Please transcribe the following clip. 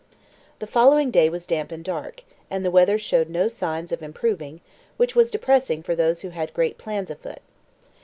The following day was damp and dark, and the weather showed no signs of improving, which was depressing for those who had great plans afoot.